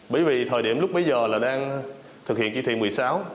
bởi vì thời điểm lúc bây giờ là đang thực hiện chỉ thiện một mươi sáu